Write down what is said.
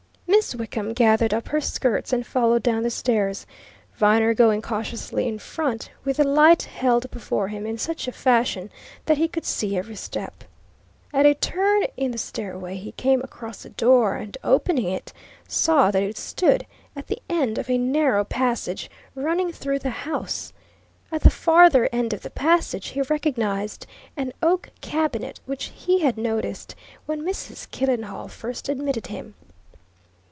Miss Wickham gathered up her skirts and followed down the stairs, Viner going cautiously in front, with the light held before him in such a fashion that he could see every step. At a turn in the stairway he came across a door, and opening it, saw that it stood at the end of a narrow passage running through the house; at the farther end of the passage he recognized an oak cabinet which he had noticed when Mrs. Killenhall first admitted him.